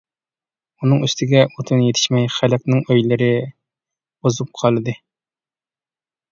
ئۇنىڭ ئۈستىگە ئوتۇن يېتىشمەي خەلقنىڭ ئۆيلىرى بۇزۇپ قالدى.